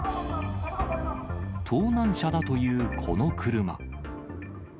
盗難車だというこの車。